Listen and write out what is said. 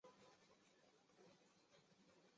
格朗达格。